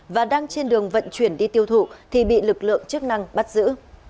và đang trên đường vận chuyển đi tiêu thụ thì bị lực lượng chức năng bắt giữ